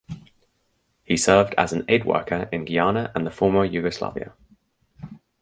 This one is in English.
He served as an aid worker in Guyana and the former Yugoslavia.